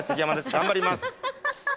頑張ります